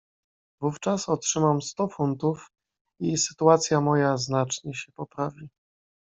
"Wówczas otrzymam sto funtów i sytuacja moja znacznie się poprawi."